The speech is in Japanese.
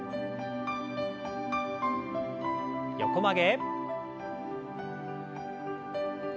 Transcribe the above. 横曲げ。